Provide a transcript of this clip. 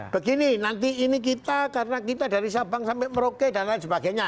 begini nanti ini kita karena kita dari sabang sampai merauke dan lain sebagainya